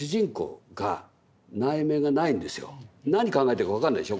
それはあの何考えてるか分かんないでしょ